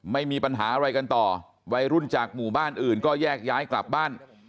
ไม่มีปัญหาอะไรกันต่อวัยรุ่นจากหมู่บ้านอื่นก็แยกย้ายกลับบ้าน